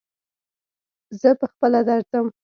زه په خپله درځم